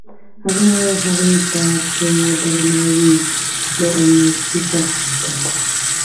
هغه هغې ته په درناوي د امید کیسه هم وکړه.